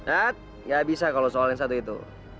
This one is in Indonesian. eh nggak bisa kalau soalnya satu itu